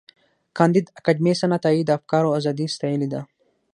کانديد اکاډميسن عطایي د افکارو ازادي ستایلې ده.